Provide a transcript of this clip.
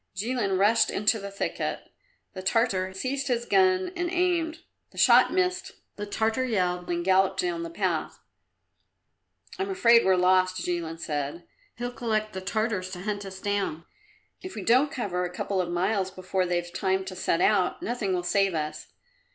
Jilin rushed into the thicket. The Tartar seized his gun and aimed; the shot missed; the Tartar yelled and galloped down the path. "I'm afraid we're lost," Jilin said. "He'll collect the Tartars to hunt us down. If we don't cover a couple of miles before they've time to set out, nothing will save us."